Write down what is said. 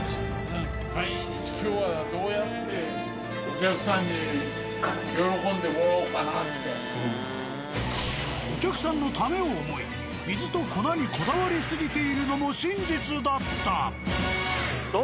うん毎日お客さんのためを思い水と粉にこだわり過ぎているのも真実だった。